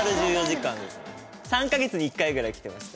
３か月に１回ぐらい来てました。